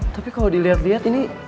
tapi kalau diliat liat ini